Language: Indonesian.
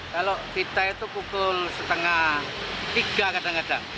kalau kita itu pukul setengah tiga kadang kadang